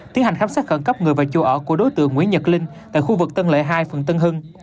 tiến hành khám sát khẩn cấp người và chỗ ở của đối tượng nguyễn nhật linh tại khu vực tân lễ hai phường tân hưng